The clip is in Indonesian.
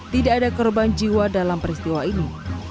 tidak ada korban jiwa dalam peristiwa ini